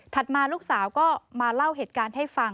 มาลูกสาวก็มาเล่าเหตุการณ์ให้ฟัง